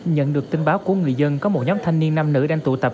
nhận được tin báo của người dân có một nhóm thanh niên nam nữ đang tụ tập